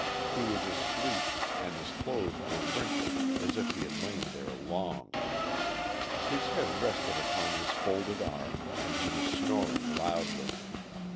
He was asleep, and his clothes were wrinkled as if he had lain there long. His head rested upon his folded arms, and he was snoring loudly.